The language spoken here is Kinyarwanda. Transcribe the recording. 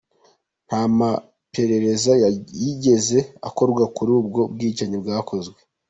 Nta maperereza yigeze akorwa kuri ubwo bwicanyi bwakozwe.